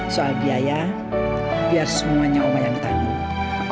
soal biaya biar semuanya oma yang tangguh